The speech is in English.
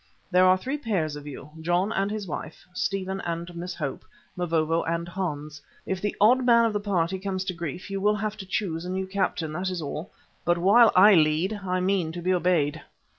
There are three pairs of you. John and his wife; Stephen and Miss Hope; Mavovo and Hans. If the odd man of the party comes to grief, you will have to choose a new captain, that is all, but while I lead I mean to be obeyed."